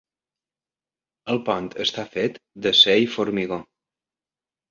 El pont està fet d'acer i formigó.